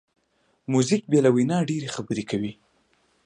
موزیک بې له وینا ډېری خبرې کوي.